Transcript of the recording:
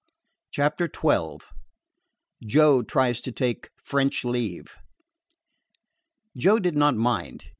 CHAPTER XII JOE TRIES TO TAKE FRENCH LEAVE Joe did not mind.